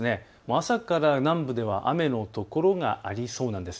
朝から南部では雨の所がありそうなんです。